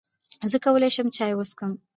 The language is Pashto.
زۀ کولای شم چای وڅښم؟